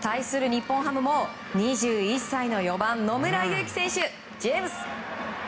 日本ハムも２１歳の４番、野村佑希選手。